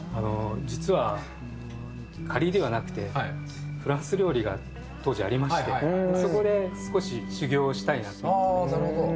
実はカリーではなくてフランス料理が当時ありましてそこで少し修業したいなということで。